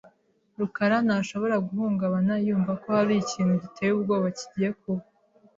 rukara ntashobora guhungabana yumva ko hari ikintu giteye ubwoba kigiye kuba .